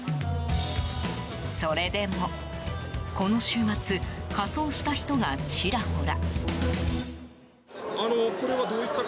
それでも、この週末仮装した人がチラホラ。